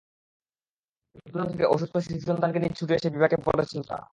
দূর দূরান্ত থেকে অসুস্থ শিশুসন্তানকে নিয়ে ছুটে এসে বিপাকে পড়েছেন তাঁরা।